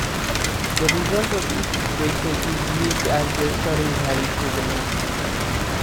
The result of each iteration is used as the starting values for the next.